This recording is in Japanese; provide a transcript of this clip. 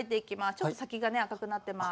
ちょっと先がね赤くなってます。